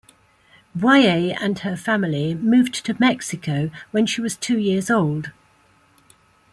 Boyer and her family moved to Mexico when she was two years old.